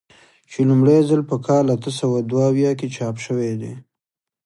چې لومړی ځل په کال اته سوه دوه اویا کې چاپ شوی دی.